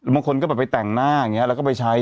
บางคนก็แบบไปแต่งหน้าอย่างนี้แล้วก็ไปใช้